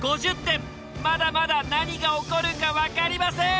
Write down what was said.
まだまだ何が起こるか分かりません！